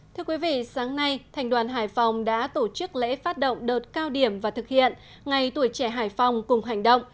thưa quý vị sáng nay thành đoàn hải phòng đã tổ chức lễ phát động đợt cao điểm và thực hiện ngày tuổi trẻ hải phòng cùng hành động